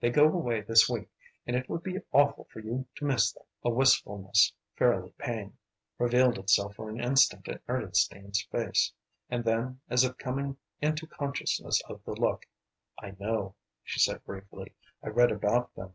They go away this week, and it would be awful for you to miss them." A wistfulness, fairly pain, revealed itself for an instant in Ernestine's face. And then, as if coming into consciousness of the look: "I know," she said briefly. "I read about them.